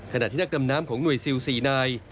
ขณะที่นักดำน้ำของหน่วยซิล๔นาย